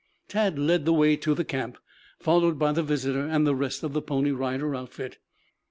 Tad led the way to the camp, followed by the visitor and the rest of the Pony Rider outfit.